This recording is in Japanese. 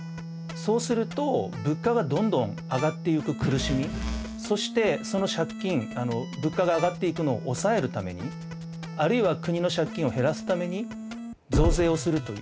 そうすると物価がどんどん上がっていく苦しみそしてその借金物価が上がっていくのを抑えるためにあるいは国の借金を減らすために増税をするという。